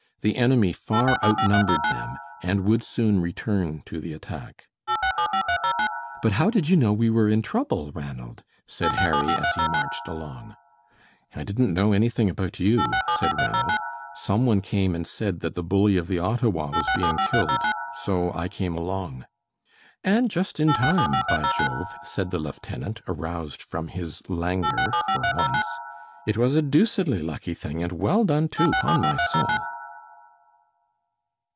The enemy far outnumbered them, and would soon return to the attack. "But how did you know we were in trouble, Ranald?" said Harry as he marched along. "I didn't know anything about you," said Ranald. "Some one came and said that the bully of the Ottawa was being killed, so I came along." "And just in time, by Jove!" said the lieutenant, aroused from his languor for once. "It was a deucedly lucky thing, and well done, too, 'pon my soul."